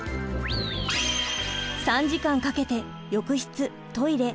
３時間かけて浴室トイレ